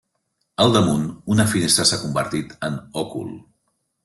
Al damunt, una finestra s'ha convertit en òcul.